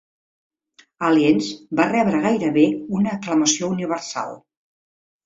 Aliens va rebre gairebé una aclamació universal.